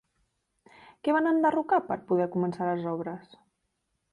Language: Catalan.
Què van enderrocar per poder començar les obres?